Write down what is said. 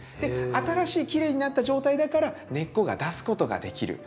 新しいきれいになった状態だから根っこが出すことができる。